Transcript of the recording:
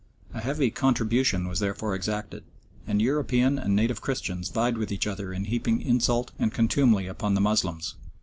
A heavy "contribution" was therefore exacted, and European and native Christians vied with each other in heaping insult and contumely upon the Moslems.